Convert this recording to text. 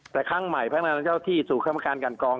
แต่ครั้งใหม่พนักงานเจ้าที่สู่กรรมการกันกอง